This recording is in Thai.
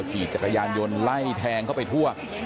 ขี่จักรยานยนต์ไล่แทงเข้าไปทั่ว